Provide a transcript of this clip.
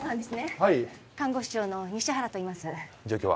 はい看護師長の西原といいます状況は？